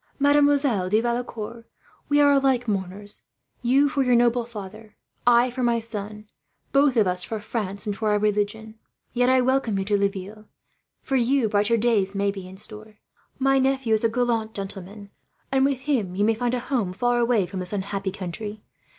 Mademoiselle de Valecourt, we are alike mourners you for your noble father, I for my son, both of us for France and for our religion. Yet I welcome you to Laville. For you, brighter days may be in store. My nephew is a gallant gentleman, and with him you may find a home far away from this unhappy country.